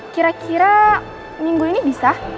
kira kira minggu ini bisa